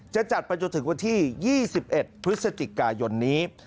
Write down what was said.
จะจัดไปจนถึงวันที่๒๑พฤศจิกายนนี้